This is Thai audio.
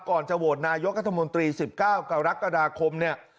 ก่อนจะโหวตนายกรัฐมนตรี๑๙กรกฎาคมเนี่ย